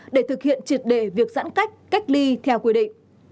để thực hiện triệt đề việc giãn cách cách ly theo quy định